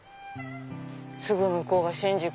すぐ向こうが新宿！